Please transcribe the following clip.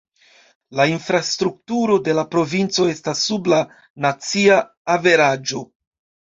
La infrastrukturo de la provinco estas sub la nacia averaĝo.